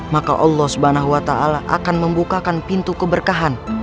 maka allah swt akan membukakan pintu keberkahan